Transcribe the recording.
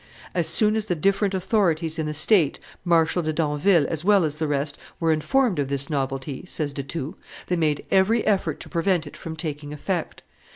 "As soon as the different authorities in the state, Marshal de Damville as well as the rest, were informed of this novelty," says De Thou, "they made every effort to prevent it from taking effect.